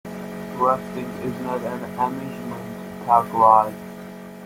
Rafting is not an amusement park ride.